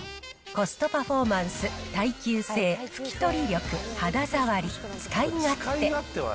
コストパフォーマンス、耐久性、拭き取り力、肌触り、使い勝手。